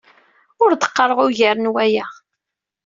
Ur d-qqaṛeɣ ugar n waya.